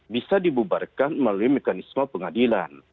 bisa dibubarkan melalui mekanisme pengadilan